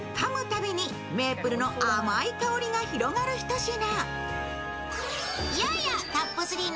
たびにメープルの甘い香りが広がるひと品。